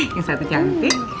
yang satu cantik